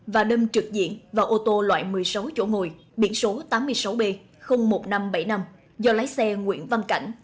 và đâm trực diện vào ô tô loại một mươi sáu chỗ ngồi biển số tám mươi sáu b một nghìn năm trăm bảy mươi năm do lái xe nguyễn văn cảnh